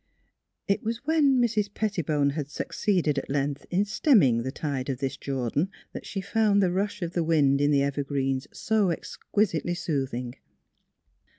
" It was when Mrs. Pettibone had succeeded at length in stemming the tide of this Jordan that she found the rush of the wind in the evergreens so exquisitely soothing.